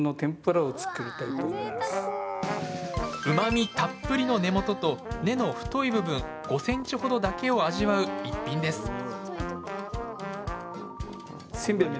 うまみたっぷりの根元と根の太い部分５ｃｍほどだけを味わう一品です